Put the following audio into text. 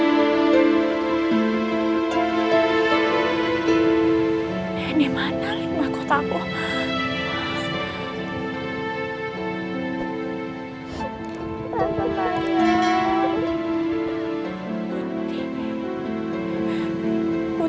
nenek mana lima kotaku